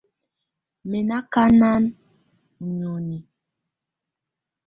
Mɛ̀ ná ákaná i nioni.